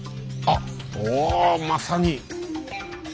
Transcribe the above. あっおまさに。